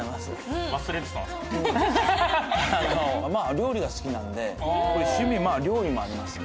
料理が好きなので趣味料理もありますね。